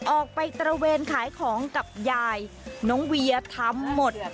ออกไปตระเวนขายของกับยายน้องเวียทำหมด